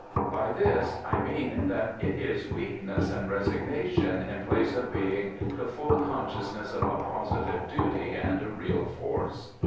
By this I mean that it is weakness and resignation, in place of being the full consciousness of a positive duty and a real force.